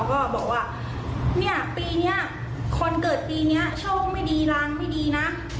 ก็บอกว่าเนี่ยปีนี้คนเกิดปีนี้โชคไม่ดีรางไม่ดีนะ